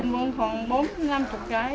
mình sản xuất khoảng bốn mươi năm mươi cái